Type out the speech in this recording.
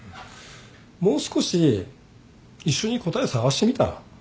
もう少し一緒に答え探してみたら？